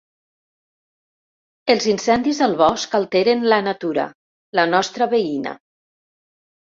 Els incendis al bosc alteren la natura, la nostra veïna.